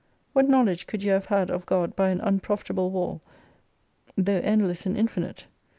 What knowledge could you have had of God by an unprofitable wall though endless and infinite?